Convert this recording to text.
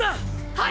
はい！！